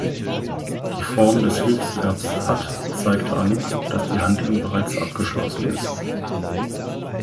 Die Form des Hilfsverbs "hat" zeigt an, dass die Handlung bereits abgeschlossen ist.